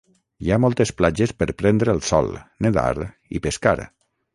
Hi ha moltes platges per prendre el sol, nedar i pescar.